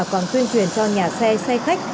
còn tuyên truyền cho nhà xe xe khách